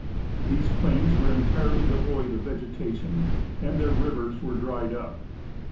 These jilains were entirely devoid of vegetati<jn and their rivers were dried up.